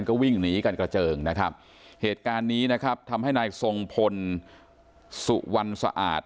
กระเจิงนะครับเหตุการณ์นี้นะครับทำให้นายทรงพลสุวรรณสะอาด